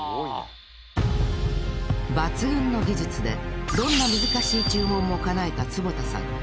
抜群の技術でどんな難しい注文もかなえた坪田さん。